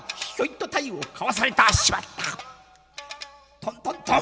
トントントン！